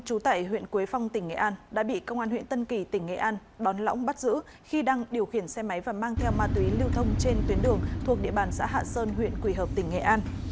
trú tại huyện quế phong tỉnh nghệ an đã bị công an huyện tân kỳ tỉnh nghệ an đón lõng bắt giữ khi đang điều khiển xe máy và mang theo ma túy lưu thông trên tuyến đường thuộc địa bàn xã hạ sơn huyện quỳ hợp tỉnh nghệ an